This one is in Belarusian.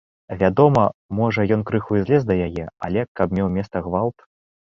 Вядома, можа, ён крыху і лез да яе, але каб меў месца гвалт?